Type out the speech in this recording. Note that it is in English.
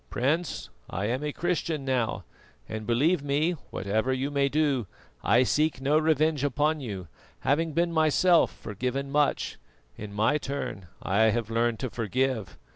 Prince, I am a Christian now, and believe me, whatever you may do, I seek no revenge upon you; having been myself forgiven so much, in my turn I have learned to forgive.